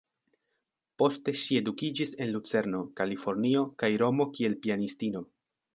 Poste ŝi edukiĝis en Lucerno, Kalifornio kaj Romo kiel pianistino.